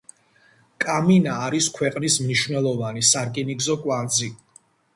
კამინა არის ქვეყნის მნიშვნელოვანი სარკინიგზო კვანძი.